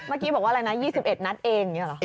เมื่อกี้บอกว่าอะไรนะ๒๑นัดเองอย่างนี้เหรอ